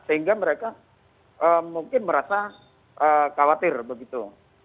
sehingga mereka mungkin merasa khawatir begitu